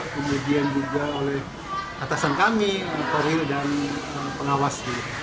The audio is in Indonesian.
kemudian juga oleh atasan kami perwira dan pengawas